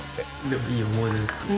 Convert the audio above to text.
でもいい思い出ですね。